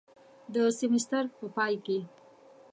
د سیمیستر په پای کې